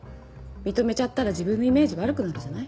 認めちゃったら自分のイメージ悪くなるじゃない。